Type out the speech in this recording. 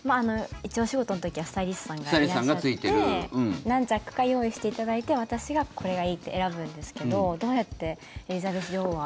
一応、お仕事の時はスタイリストさんがいらっしゃって何着か用意していただいて私がこれがいいって選ぶんですけどどうやってエリザベス女王は。